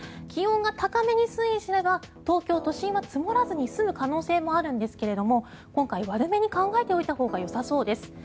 気温が高めに推移すれば東京都心は積もらずに済む可能性はあるんですけども今回、悪めに考えておいたほうがよさそうです。